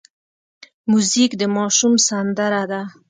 موزیک د ماشوم سندره ده.